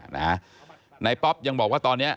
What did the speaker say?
นายป๊อปยังบอกว่าตอนนี้